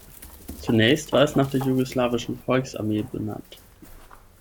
Zunächst war es nach der Jugoslawische Volksarmee benannt.